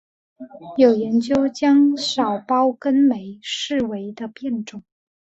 有研究将少孢根霉视为的变种。